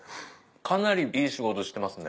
かなりいい仕事してますね。